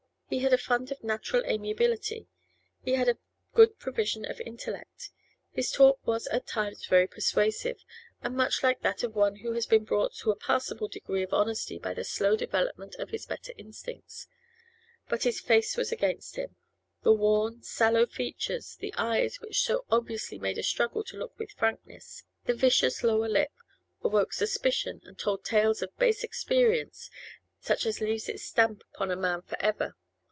He had a fund of natural amiability; he had a good provision of intellect; his talk was at times very persuasive and much like that of one who has been brought to a passable degree of honesty by the slow development of his better instincts. But his face was against him; the worn, sallow features, the eyes which so obviously made a struggle to look with frankness, the vicious lower lip, awoke suspicion and told tales of base experience such as leaves its stamp upon a man for ever.